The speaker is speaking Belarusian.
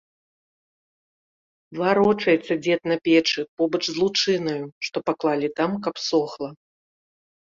Варочаецца дзед на печы, побач з лучынаю, што паклалі там, каб сохла.